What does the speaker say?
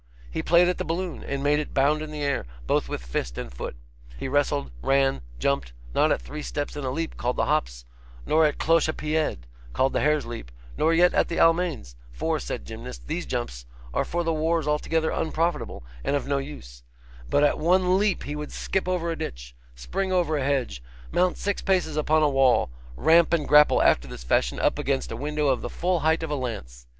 He played at the balloon, and made it bound in the air, both with fist and foot. He wrestled, ran, jumped not at three steps and a leap, called the hops, nor at clochepied, called the hare's leap, nor yet at the Almains; for, said Gymnast, these jumps are for the wars altogether unprofitable, and of no use but at one leap he would skip over a ditch, spring over a hedge, mount six paces upon a wall, ramp and grapple after this fashion up against a window of the full height of a lance.